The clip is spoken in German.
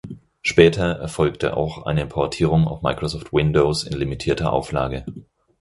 Später erfolgte auch eine Portierung auf Microsoft Windows in limitierter Auflage.